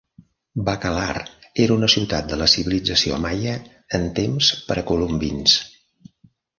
Bacalar era una ciutat de la civilització Maya en temps precolombins.